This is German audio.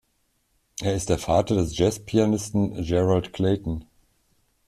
Er ist der Vater des Jazz-Pianisten Gerald Clayton.